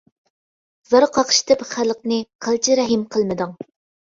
زار قاقشىتىپ خەلقنى، قىلچە رەھىم قىلمىدىڭ.